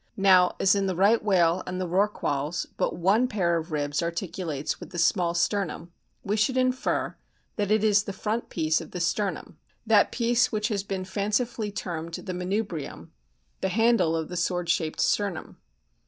Now as in the Right whale and Rorquals but one pair of ribs articulates with the small sternum, we should infer that it is the front piece of the sternum that piece which has been fancifully termed the manubrium the handle of the sword shaped sternum.